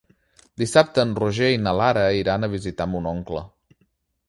Dissabte en Roger i na Lara iran a visitar mon oncle.